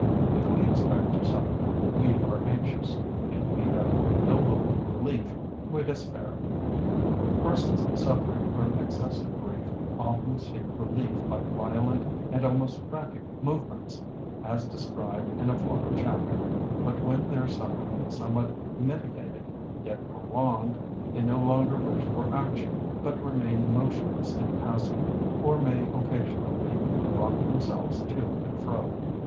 If we expect to suffer, we are anxious; if we have no hope of relief, we despair. Persons suffering from excessive grief often seek relief by violent and almost frantic movements, as described in a former chapter; but when their suffering is somewhat mitigated, yet prolonged, they no longer wish for action, but remain motionless and passive, or may occasionally rock themselves to and fro.